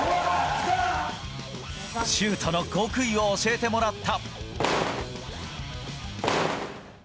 シュートの極意を教えてもらった。